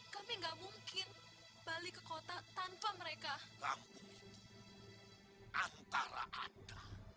kami harus ketemu dengan mereka mbah